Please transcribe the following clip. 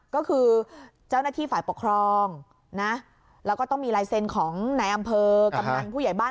ก็คือเจ้าหน้าที่ฝ่ายปกครองนะแล้วก็ต้องมีลายเซ็นต์ของนายอำเภอกำนันผู้ใหญ่บ้าน